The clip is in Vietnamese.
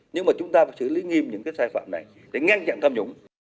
nhưng mà chúng ta phải xử lý nghiêm những cái sai phạm này để ngăn chặn tham nhũng